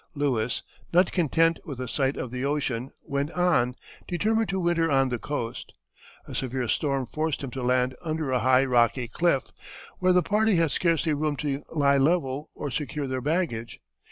Lewis, not content with a sight of the ocean, went on, determined to winter on the coast. A severe storm forced him to land under a high rocky cliff, where the party had scarcely room to lie level or secure their baggage.